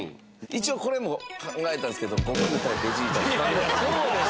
一応これも考えたんですけど悟空対ベジータって考えた。